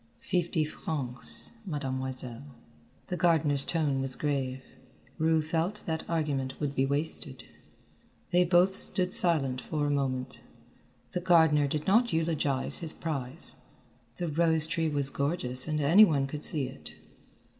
"Fifty francs, Mademoiselle." The gardener's tone was grave. Rue felt that argument would be wasted. They both stood silent for a moment. The gardener did not eulogize his prize, the rose tree was gorgeous and any one could see it.